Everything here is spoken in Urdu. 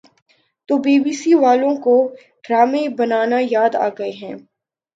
تو بی بی سی والوں کو ڈرامے بنانا یاد آگئے ہیں